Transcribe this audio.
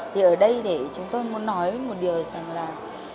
thì ở đây để chúng tôi muốn nói một điều rằng là